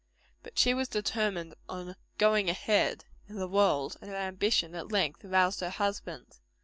But she was determined on "going ahead" in the world; and her ambition at length roused her husband.